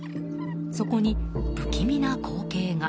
そこに不気味な光景が。